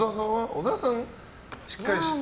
小沢さんはしっかりしてる。